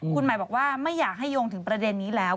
คุณหมายบอกว่าไม่อยากให้โยงถึงประเด็นนี้แล้ว